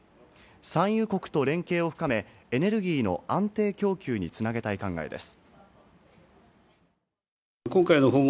産油国と連携を深め、エネルギーの安定供給に繋げたい考えです。